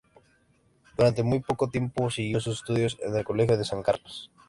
Durante muy poco tiempo siguió sus estudios en el Colegio de San Carlos.